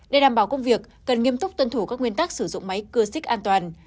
để đảm bảo công việc cần nghiêm túc tuân thủ các nguyên tắc sử dụng máy cưa xích an toàn